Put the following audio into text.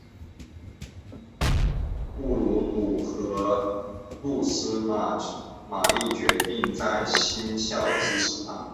布卢姆和露丝玛丽决定在新校支持他。